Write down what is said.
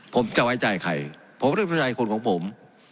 ผมจะไว้ใจใครผมจะไว้ใจคนของผม